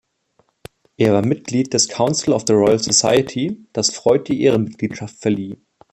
Er war Mitglied des "Council of the Royal Society", das Freud die Ehrenmitgliedschaft verlieh.